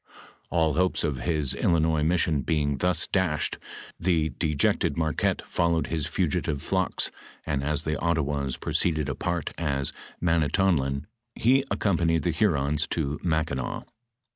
All hopes of his Illinois mission being thus dashed, the dejected Marquette followed his fugitive flocks, and as the Ottawas proceeded apart to Manitonlin, he ac companied the Hurons to Mackinaw.